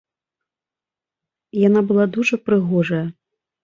Яна была дужа прыгожая.